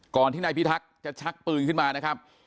ที่นายพิทักษ์จะชักปืนขึ้นมานะครับ